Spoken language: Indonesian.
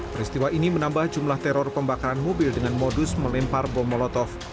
peristiwa ini menambah jumlah teror pembakaran mobil dengan modus melempar bom molotov